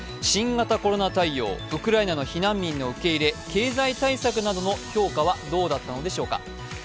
新型コロナ対応、ウクライナの避難民の受け入れ、経済対策などへの評価はどうだったのでしょうか。